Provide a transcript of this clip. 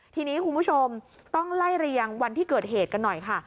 ทีนี้คุณผู้ชมต้องไล่เรียงวันที่เกิดเหตุกันหน่อยค่ะ